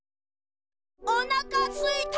おなかすいた！